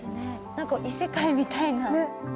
なんか異世界みたいな。